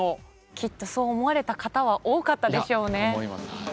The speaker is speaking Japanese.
きっとそう思われた方は多かったでしょうね。